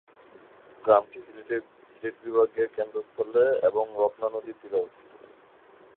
গ্রামটি সিলেট বিভাগের কেন্দ্রস্থলে এবং রত্না নদীর তীরে অবস্থিত।